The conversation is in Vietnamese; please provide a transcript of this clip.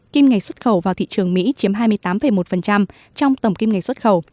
kim ngạch xuất khẩu vào thị trường mỹ chiếm hai mươi tám một trong tổng kim ngạch xuất khẩu